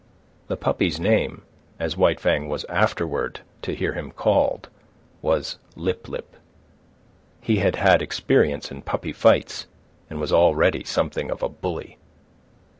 The puppy's name, as White Fang was afterward to hear him called, was Lip lip. He had had experience in puppy fights and was already something of a bully.